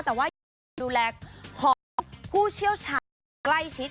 แต่ว่าอยากดูแลของผู้เชี่ยวชายใกล้ชิด